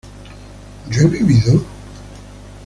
¿yo he vivido?